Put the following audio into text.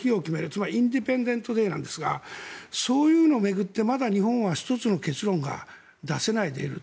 つまりインディペンデント・デーなんですがそういうのを巡ってまだ日本は１つの結論が出せないでいる。